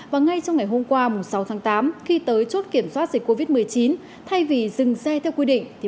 và ngay trong ngày hôm qua sáu tháng tám khi tới chốt kiểm soát dịch covid một mươi chín thay vì dừng xe theo quy định